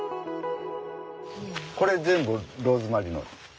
これ全部ローズマリー。